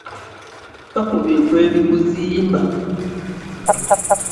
Ffa ku bintu ebikuzimba.